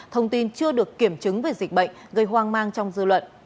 thông tin chưa được kiểm chứng về dịch bệnh gây hoang mang trong dư luận